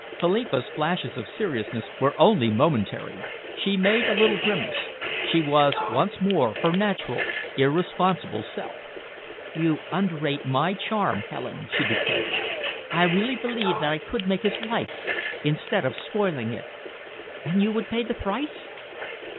Philippa's flashes of seriousness were only momentary. She made a little grimace. She was once more her natural, irresponsible self. "You underrate my charm, Helen," she declared. "I really believe that I could make his life instead of spoiling it." "And you would pay the price?"